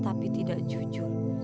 tapi tidak jujur